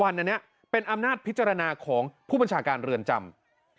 อันนี้เป็นอำนาจพิจารณาของผู้บัญชาการเรือนจำ